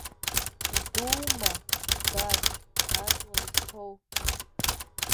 Идуума, дад, аҵла изҭоу?